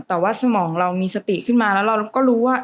แต่ว่าสมองเรามีสติขึ้นมาแล้วเราก็รู้ว่า